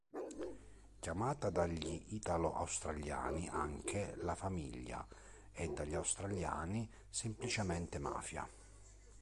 Chiamata dagli italo-australiani anche:"La Famiglia" e dagli australiani semplicemente "Mafia".